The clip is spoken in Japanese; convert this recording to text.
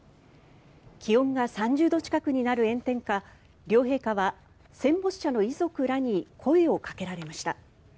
気温が３０度近くになる炎天下両陛下は戦没者の遺族らに声をかけられました。